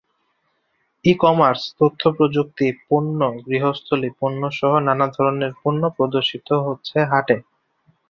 E-commerce, তথ্যপ্রযুক্তি, পণ্য, গৃহস্থালি পণ্যসহ নানা ধরনের পণ্য প্রদর্শিত হচ্ছে হাটে।